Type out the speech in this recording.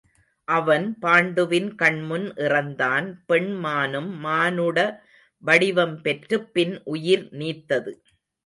அவன் பாண்டுவின் கண்முன் இறந்தான் பெண் மானும் மானுட வடிவம் பெற்றுப் பின் உயிர் நீத்தது.